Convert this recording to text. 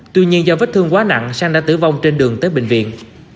tuy nhiên do vết thương quá nặng sang đã tử vong trên đường tới bệnh viện